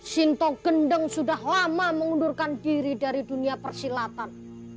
sinto gendeng sudah lama mengundurkan diri dari dunia persilatan